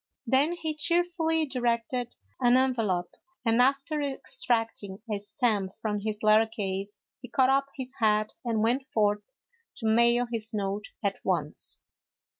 Then he cheerfully directed an envelope, and after extracting a stamp from his letter case, he caught up his hat and went forth to mail his note at once.